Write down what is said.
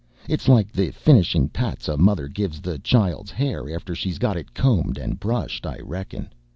It's like the finishing pats a mother gives the child's hair after she's got it combed and brushed, I reckon.